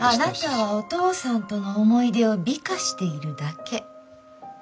あなたはお父さんとの思い出を美化しているだけ。